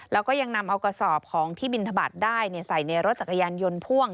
แล้วก็ยังนำเอากระสอบของที่บินทบาทได้ใส่ในรถจักรยานยนต์พ่วง